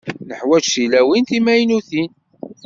Neḥwaǧ tilawin timaynutin?